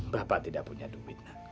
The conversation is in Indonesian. bapak tidak punya duit